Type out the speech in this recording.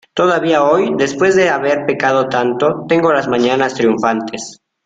todavía hoy, después de haber pecado tanto , tengo las mañanas triunfantes